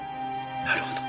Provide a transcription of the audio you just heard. なるほど。